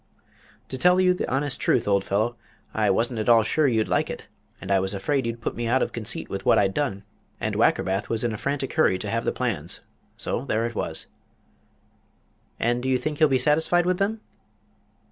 "To tell you the honest truth, old fellow, I wasn't at all sure you'd like it, and I was afraid you'd put me out of conceit with what I'd done, and Wackerbath was in a frantic hurry to have the plans so there it was." "And do you think he'll be satisfied with them?"